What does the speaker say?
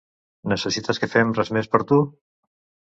Necessites que fem res més per tu?